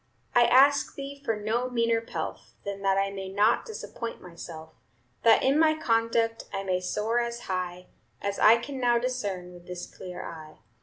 I ask Thee for no meaner pelf, Than that I may not disappoint myself; That in my conduct I may soar as high As I can now discern with this clear eye.